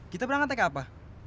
kita berangkat ke apa